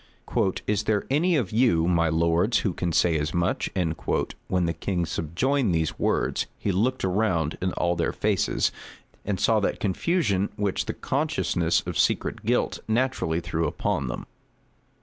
"Is there any of you, my lords, who can say as much?" When the king subjoined these words, he looked round in all their faces, and saw that confusion which the consciousness of secret guilt naturally threw upon them.